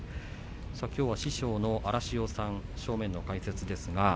きょうは師匠の荒汐さん正面の解説です。